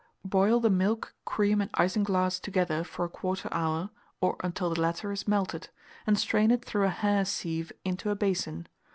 Boil the milk, cream, and isinglass together for 1/4 hour, or until the latter is melted, and strain it through a hair sieve into a basin.